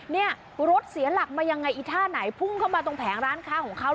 เนี่ยรถเสียหลักมายังไงอีท่าไหนพุ่งเข้ามาตรงแผงร้านค้าของเขา